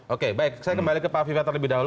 oke baik saya kembali ke pak fivatar lebih dahulu